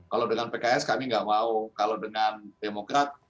kalau dengan pks kami nggak mau kalau dengan demokrat